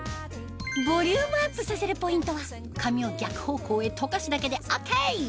ボリュームアップさせるポイントは髪を逆方向へとかすだけでＯＫ！